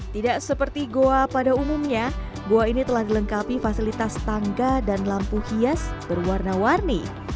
tidak seperti goa pada umumnya goa ini telah dilengkapi fasilitas tangga dan lampu hias berwarna warni